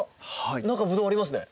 中ブドウありますね。